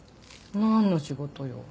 何の仕事よ？